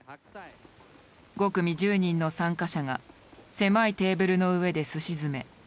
５組１０人の参加者が狭いテーブルの上ですし詰め。